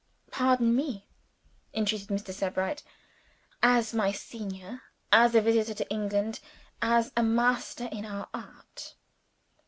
"Pardon me," entreated Mr. Sebright. "As my senior, as a visitor to England, as a master in our art."